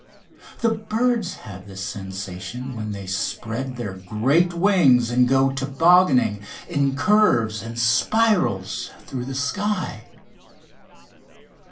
The birds have this sensation when they spread their great wings and go tobogganning in curves and spirals through the sky!